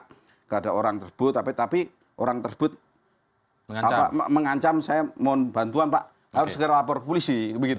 tidak ada orang tersebut tapi orang tersebut mengancam saya mohon bantuan pak harus segera lapor ke polisi